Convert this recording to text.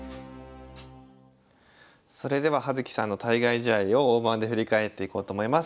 それでは葉月さんの対外試合を大盤で振り返っていこうと思います。